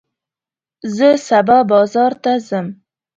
زه سبا بازار ته ځم.